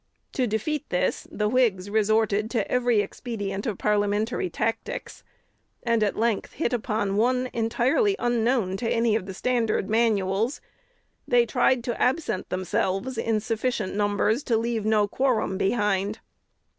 To defeat this, the Whigs resorted to every expedient of parliamentary tactics, and at length hit upon one entirely unknown to any of the standard manuals: they tried to absent themselves in sufficient numbers to leave no quorum behind.